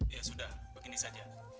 ya sudah begini saja